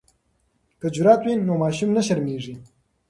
که جرات وي نو ماشوم نه شرمیږي.